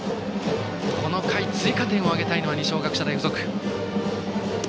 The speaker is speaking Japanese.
この回、追加点を挙げたいのは二松学舎大付属。